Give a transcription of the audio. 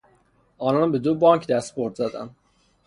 آنان به دو بانک دستبرد زدند.